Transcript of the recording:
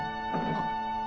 あっ！